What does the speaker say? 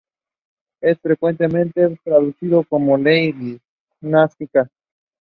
The Department of Homeland Security manages the Emergency Preparedness and Response Directorate.